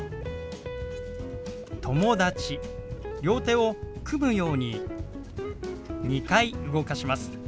両手を組むように２回動かします。